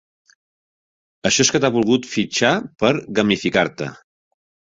Això és que t'ha volgut fitxar per gamificar-te.